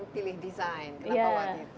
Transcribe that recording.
jadi pilih desain kenapa waktu itu